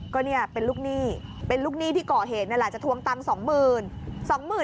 ก็เป็นลูกหนี้เป็นลูกหนี้ที่เกาะเหตุหลังจากทวงตังค์๒๐๐๐๐